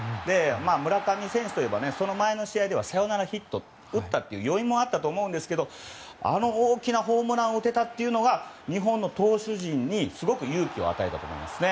村上選手といえばその前の試合でサヨナラヒットを打ったという余韻もあったと思いますがあの大きなホームランを打てたというのが日本の投手陣にすごく勇気を与えたと思います。